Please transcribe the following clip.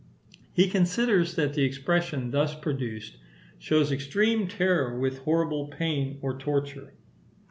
He considers that the expression thus produced shows extreme terror with horrible pain or torture.